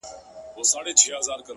خو هغه زړور زوړ غم ژوندی گرځي حیات دی،